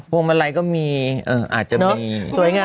พวงมาลัยก็มีเอออาจจะมี